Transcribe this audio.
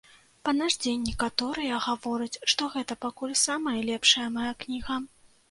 Па наш дзень некаторыя гавораць, што гэта пакуль самая лепшая мая кніга.